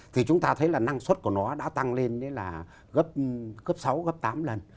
thì chúng ta thấy là năng suất của nó đã tăng lên là gấp sáu gấp tám lần